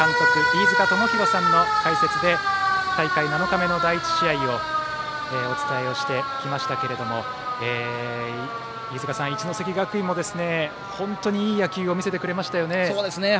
飯塚智広さんの解説で大会７日目の第１試合をお伝えしてきましたけれども飯塚さん、一関学院も本当にいい野球を見せてくれましたね。